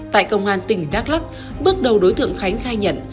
tại công an tỉnh đắk lắc bước đầu đối tượng khánh khai nhận